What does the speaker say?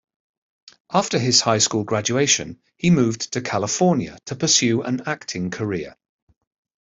After his high school graduation, he moved to California to pursue an acting career.